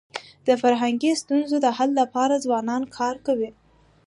د فرهنګي ستونزو د حل لپاره ځوانان کار کوي.